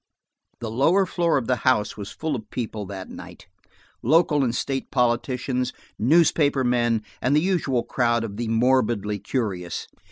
The lower floor of the house was full of people that night, local and state politicians, newspaper men and the usual crowd of the morbidly curious.